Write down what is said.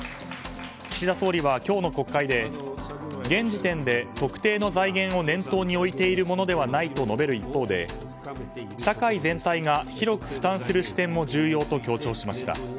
岸田総理は今日の国会で現時点で、特定の財源を念頭に置いているものではないと述べる一方で社会全体が広く負担する視点も重要と強調しました。